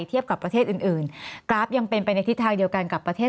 เทียบกับประเทศอื่นอื่นกราฟยังเป็นไปในทิศทางเดียวกันกับประเทศ